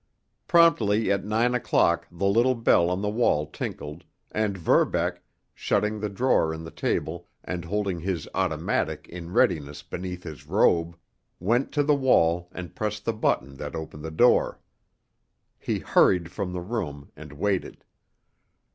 Promptly at nine o'clock the little bell on the wall tinkled, and Verbeck, shutting the drawer in the table and holding his automatic in readiness beneath his robe, went to the wall and pressed the button that opened the door. He hurried from the room, and waited.